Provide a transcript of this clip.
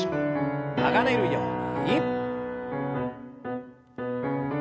流れるように。